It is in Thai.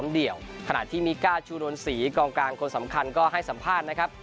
เดียวขณะที่มีทรีย์ซมพจะให้สัมภาษณ์นะครับ